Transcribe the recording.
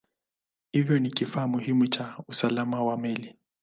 Hivyo ni kifaa muhimu cha usalama wa meli.